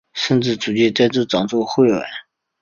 甚至逐渐再次长出彗尾。